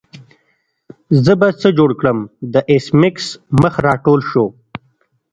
زه به څه جوړ کړم د ایس میکس مخ راټول شو